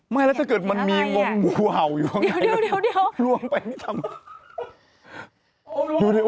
ไม่แล้วถ้าเกิดมันมีวงวาวอยู่ข้างในล้วงไปไม่ทำอะไร